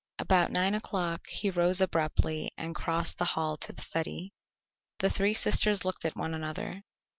About nine o'clock he rose abruptly and crossed the hall to the study. The three sisters looked at one another.